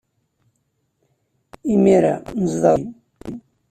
Imir-a, nezdeɣ ddukkli.